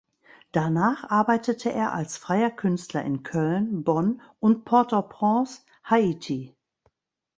Danach arbeitete er als freier Künstler in Köln, Bonn und Port-au-Prince, Haiti.